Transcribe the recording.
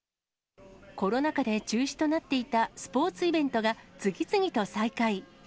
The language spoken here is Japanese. コロナ禍で、中止となっていたスポーツイベントが次々と再開。